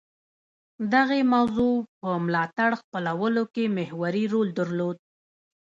دغې موضوع په ملاتړ خپلولو کې محوري رول درلود